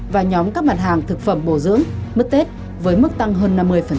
và nhóm các mặt hàng thực phẩm bổ dưỡng mứt tết với mức tăng hơn năm mươi